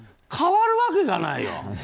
変わるわけがないよ。